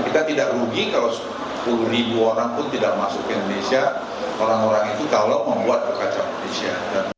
kita tidak rugi kalau sepuluh ribu orang pun tidak masuk ke indonesia orang orang itu kalau membuat kekaca indonesia